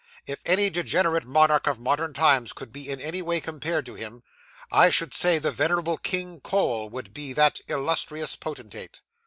If any degenerate monarch of modern times could be in any way compared with him, I should say the venerable King Cole would be that illustrious potentate.